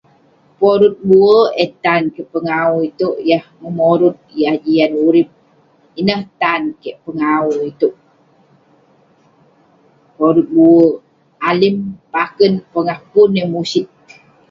Porut bu'erk eh tan pengau itouk, yah memorut, yah jian urip. Ineh tan kik pengau itouk. porut bu'erk alim, pa'kern, pongah pun eh musit.